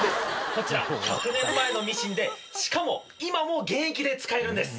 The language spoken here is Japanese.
こちら１００年前のミシンでしかも今も現役で使えるんです。